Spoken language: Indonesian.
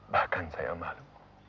bahkan saya malu